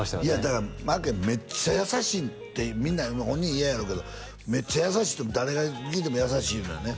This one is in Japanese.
だからまっけんめっちゃ優しいってみんな本人嫌やろうけどめっちゃ優しいって誰に聞いても優しい言うのよね